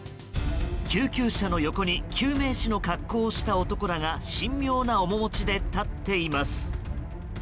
救急車の横に救命士の格好をした男らが神妙な面持ちで立っています。